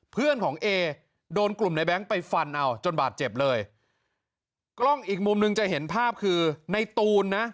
เพื่อนของเอโดนกลุ่มในแบงค์ไปฟันเอาจนบาดเจ็บเลยกล้องอีกมุมหนึ่งจะเห็นภาพคือในตูนนะ